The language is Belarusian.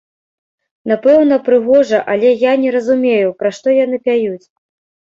Напэўна, прыгожа, але я не разумею, пра што яны пяюць.